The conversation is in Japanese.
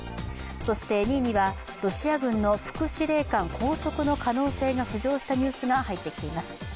そして２位には、ロシア軍の副司令官拘束の可能性が浮上したニュースが入ってきています。